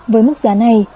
với mức giá này